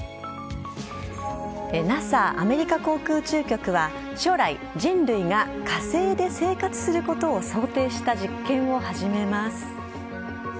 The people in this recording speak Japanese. ＮＡＳＡ＝アメリカ航空宇宙局は将来、人類が火星で生活することを想定した実験を始めます。